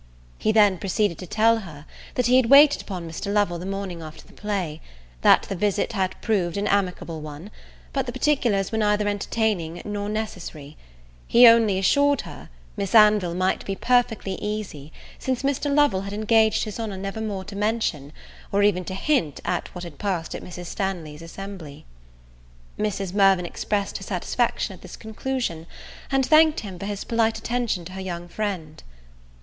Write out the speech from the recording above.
He then proceeded to tell her, that he had waited upon Mr. Lovel the morning after the play; that the visit had proved an amicable one, but the particulars were neither entertaining nor necessary: he only assured her, Miss Anville might be perfectly easy, since Mr. Lovel had engaged his honour never more to mention, or even to hint at what had passed at Mrs. Stanley's assembly. Mrs. Mirvan expressed her satisfaction at this conclusion, and thanked him for his polite attention to her young friend.